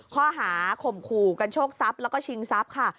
ข้อหาข่มขู่กันโชคทรัพย์แล้วก็ชิงทรัพย์ค่ะ